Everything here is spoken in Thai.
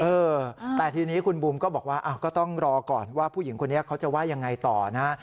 เออแต่ทีนี้คุณบูมก็บอกว่าก็ต้องรอก่อนว่าผู้หญิงคนนี้เขาจะว่ายังไงต่อนะ